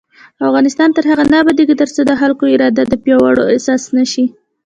افغانستان تر هغو نه ابادیږي، ترڅو د خلکو اراده د پریکړو اساس نشي.